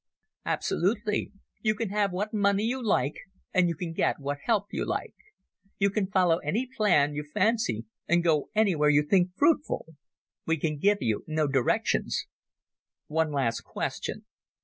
"Absolutely. You can have what money you like, and you can get what help you like. You can follow any plan you fancy, and go anywhere you think fruitful. We can give no directions." "One last question.